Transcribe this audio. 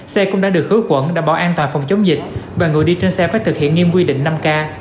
xe cũng đã được khử quẩn đảm bảo an toàn phòng chống dịch và người đi trên xe phải thực hiện nghiêm quy định năm k